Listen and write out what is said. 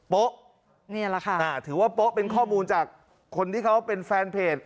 นี่แหละค่ะถือว่าโป๊ะเป็นข้อมูลจากคนที่เขาเป็นแฟนเพจ